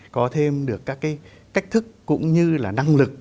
có thêm được các cái cách thức cũng như là năng lực